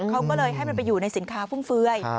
เขาก็เลยให้มันไปอยู่ในสินค้าฟุ่มเฟือย